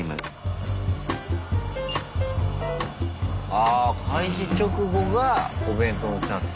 あ開始直後がお弁当のチャンス。